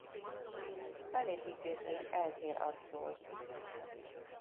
Felépítése is eltér attól.